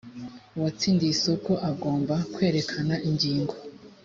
uwatsindiye isoko agomba kwerekana ingingo